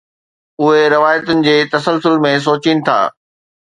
اهي روايتن جي تسلسل ۾ سوچين ٿا.